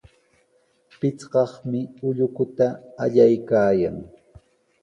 Pichqaqmi ullukuta allaykaayan.